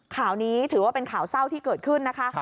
ข่าวนี้ถือว่าเป็นข่าวเศร้าที่เกิดขึ้นนะคะ